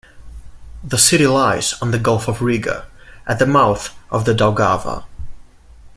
The city lies on the Gulf of Riga, at the mouth of the Daugava.